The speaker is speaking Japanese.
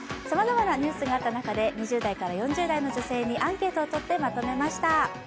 さまざまなニュースがあった中で２０代から４０代の女性にアンケートを取ってまとめました。